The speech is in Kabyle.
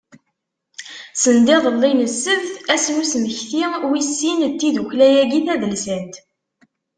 Sendiḍelli n ssebt, ass n usmekti wis sin n tiddukkla-agi tadelsant.